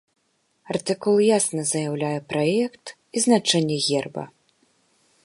Артыкул ясна заяўляе праект і значэнне герба.